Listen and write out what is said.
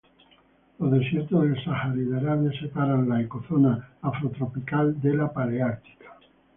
Los desiertos del Sahara y de Arabia separan la ecozona afrotropical de la paleártica.